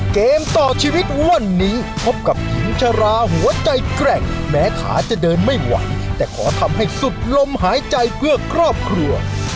เกมต่อชีวิตวันนี้พบกับหญิงชะลาหัวใจแกร่งแม้ขาจะเดินไม่ไหวแต่ขอทำให้สุดลมหายใจเพื่อครอบครัว